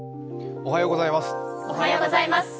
おはようございます。